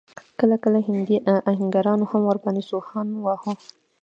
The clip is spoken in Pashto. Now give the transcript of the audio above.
کله کله هندي اهنګرانو هم ور باندې سوهان واهه.